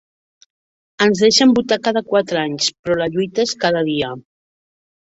Ens deixen votar cada quatre anys però la lluita és cada dia.